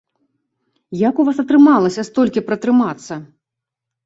Як у вас атрымалася столькі пратрымацца?